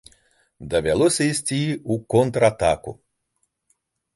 Давялося ісці ў контратаку.